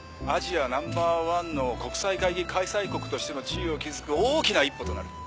ナンバーワンの国際会議開催国としての地位を築く大きな一歩となる。